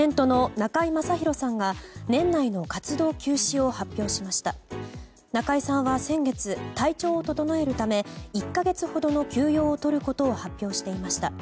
中居さんは先月体調を整えるため１か月ほどの休養を取ることを発表していました。